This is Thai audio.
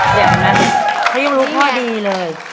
เขายังรู้พ่อดีเลย